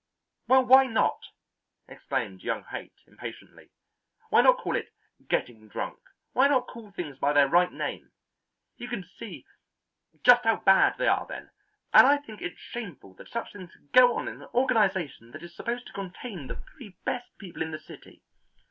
"Well, why not?" exclaimed young Haight impatiently. "Why not call it 'getting drunk?' Why not call things by their right name? You can see just how bad they are then; and I think it's shameful that such things can go on in an organization that is supposed to contain the very best people in the city.